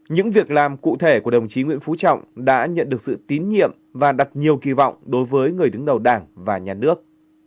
những việc làm cụ thể của đồng chí nguyễn phú trọng đã nhận được sự tín nhiệm và đặt nhiều kỳ vọng đối với người đứng đầu đảng và nhà nước